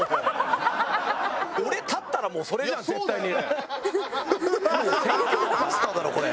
俺立ったらもうそれじゃん絶対に。